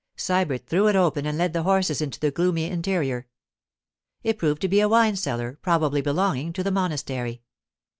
Sybert threw it open and led the horses into the gloomy interior. It proved to be a wine cellar, probably belonging to the monastery.